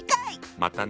またね。